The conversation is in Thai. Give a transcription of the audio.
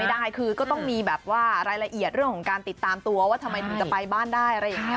ได้คือก็ต้องมีแบบว่ารายละเอียดเรื่องของการติดตามตัวว่าทำไมถึงจะไปบ้านได้อะไรอย่างนี้